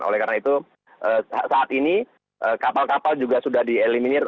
oleh karena itu saat ini kapal kapal juga sudah dieliminir